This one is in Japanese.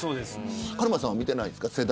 カルマさんは見ていないですか。